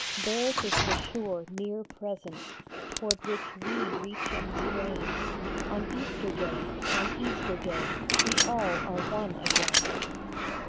Theirs is the sure, near Presence toward which we reach and strain ; On Easter day, on Easter day, we all are one again.